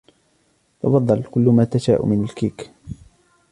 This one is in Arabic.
تفضل كل ما تشاء من الكيك.